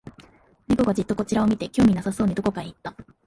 猫がじっとこちらを見て、興味なさそうにどこかへ行った